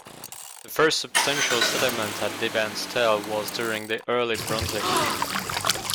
The first substantial settlement at Dhiban's tell was during the Early Bronze Age.